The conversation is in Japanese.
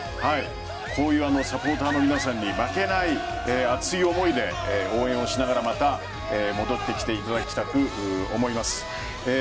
こういうサポーターの皆さんに負けない熱い思いで応援をしながらまた、戻ってきていただきたく思います。